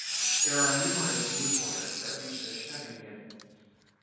There are numerous move orders that reach the Scheveningen.